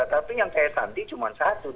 tapi yang saya tanti cuma satu